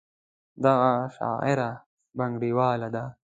دغه شاعره بنګړیواله ده.